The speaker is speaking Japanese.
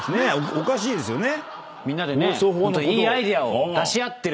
おかしいですよね。